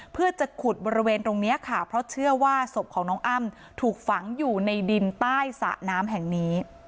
เพื่อจะขุดบริเวณตรงนี้ค่ะเพราะเชื่อว่าศพของน้องอ้ำถูกฝังอยู่ในดินใต้สระน้ำแห่งนี้